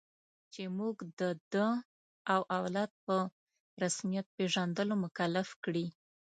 چې موږ د ده او اولاد په رسمیت پېژندلو مکلف کړي.